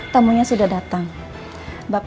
kayaknya pas kira kira yang ada banget